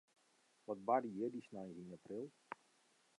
Wat barde hjir dy sneins yn april?